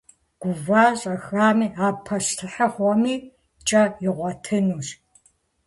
Гува щӏэхами, а пащтыхьыгъуэми кӏэ игъуэтынущ.